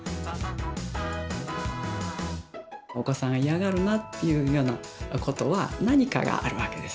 お子さん嫌がるなっていうようなことは何かがあるわけです。